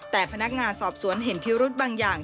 แต่พนักงานสอบสวนเห็นพิรุธบางอย่าง